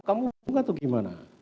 kamu mau enggak atau gimana